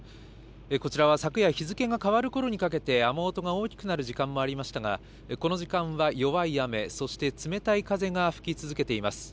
こちらは昨夜日付が変わるころにかけて雨音が大きくなる時間もありましたが、この時間は弱い雨、そして冷たい風が吹き続けています。